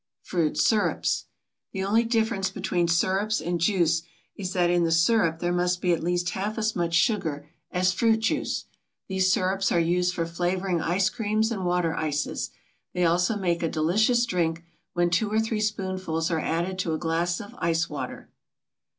FRUIT SIRUPS. The only difference between sirups and juice is that in the sirup there must be at least half as much sugar as fruit juice. These sirups are used for flavoring ice creams and water ices. They also make a delicious drink, when two or three spoonfuls are added to a glass of ice water.